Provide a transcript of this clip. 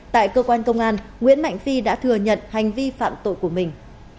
tại cơ quan công an nguyễn mạnh phi đã thừa nhận hành vi phạm tội của mình